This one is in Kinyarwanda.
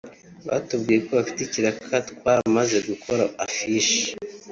Batubwiye ko bafite ikiraka twaramaze gukora affiche